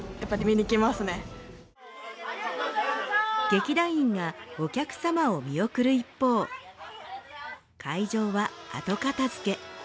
劇団員がお客様を見送る一方会場は後片付け。